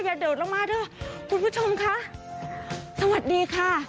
เดิดลงมาเถอะคุณผู้ชมค่ะสวัสดีค่ะ